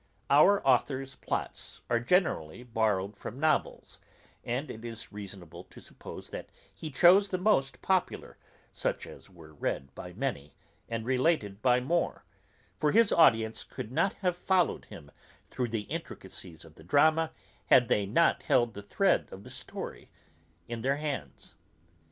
Our authour's plots are generally borrowed from novels, and it is reasonable to suppose, that he chose the most popular, such as were read by many, and related by more; for his audience could not have followed him through the intricacies of the drama, had they not held the thread of the story in their hands.